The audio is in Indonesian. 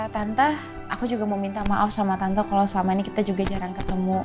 tanto aku juga mau minta maaf sama tanta kalau selama ini kita juga jarang ketemu